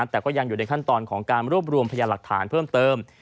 แต่ก็ยังอยู่ในขั้นตอนของการรวบรวมพยานหลักฐานเพิ่มเติม